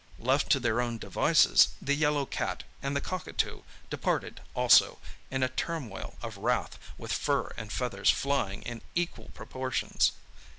Left to their own devices, the yellow cat and the cockatoo departed also, in a turmoil of wrath, with fur and feathers flying in equal proportions.